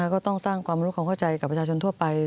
ก็ต้องสร้างความรู้ความเข้าใจกับประชาชนทั่วไป